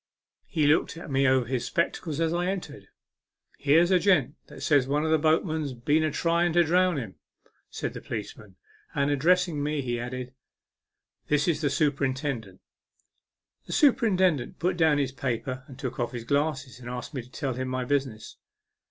He looked at me over his spectacles as I entered. " Here's a gent says that one of the boatmen's been a trying to drown him," said the police man ; and, addressing me, he added, " This is the superintendent." The superintendent put down his paper and took off his glasses, and asked me to tell him my business.